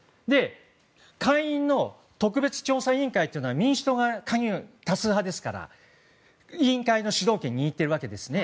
下院の特別調査員会というのは民主党が多数派ですから委員会の主導権を握っているわけですね。